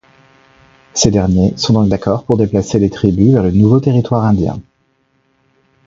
Ces derniers sont donc d'accord pour déplacer les tribus vers le nouveau territoire indien.